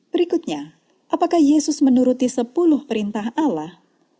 berikutnya apakah yesus menuruti sepuluh perintah allah